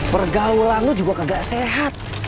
pergaulan lu juga kagak sehat